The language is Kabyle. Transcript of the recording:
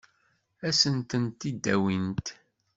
Ad sent-ten-id-awint?